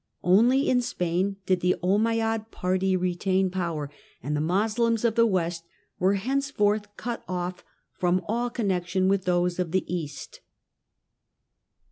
Only in Spain did the Ommeyad party retain power, and the Moslems of the west were henceforth cut off from all connection with those of the east.